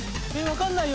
分かんない！